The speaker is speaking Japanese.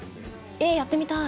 えっやってみたい！